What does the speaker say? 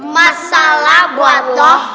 masalah buat lo